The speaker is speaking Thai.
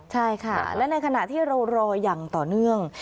ใช่ค่ะและในขณะที่เรารออย่างต่อเนื่อง